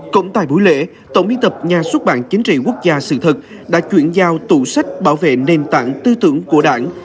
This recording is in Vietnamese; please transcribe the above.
cũng tại buổi lễ tổng biên tập nhà xuất bản chính trị quốc gia sự thật đã chuyển giao tủ sách bảo vệ nền tảng tư tưởng của đảng